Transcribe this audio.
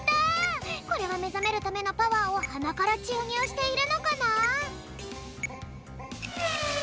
これはめざめるためのパワーをはなからちゅうにゅうしているのかな？